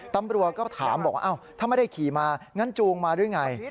ตำรวจก็ถามถ้าไม่ได้ขี่มางั้นจูงมาหรือยังไง